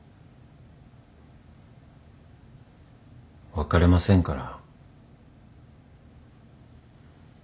別れませんから。